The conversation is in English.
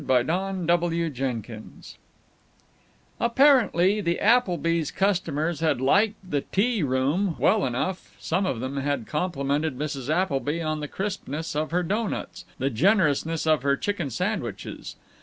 CHAPTER VI Apparently the Applebys' customers had liked "The T Room" well enough some of them had complimented Mrs. Appleby on the crispness of her doughnuts, the generousness of her chicken sandwiches.